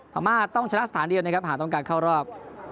พระมาตรต้องชนะสถานเดียวหาต้องการเข้ารอบ